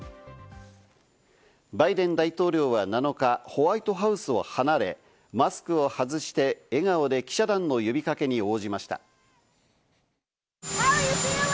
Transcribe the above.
バイデン大統領は７日、ホワイトハウスを離れ、マスクを外して、笑顔で記者団の呼びかけに応じました。